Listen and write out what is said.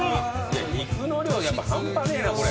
肉の量半端ねえなこれ。